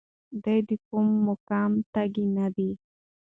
دی د کوم مقام تږی نه دی.